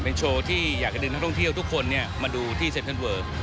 เป็นโชว์ที่อยากจะดึงท่องเที่ยวทุกคนเนี่ยมาดูที่เซ็นทรัลเวิร์ล